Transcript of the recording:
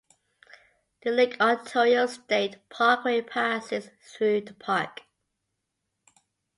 The Lake Ontario State Parkway passes through the park.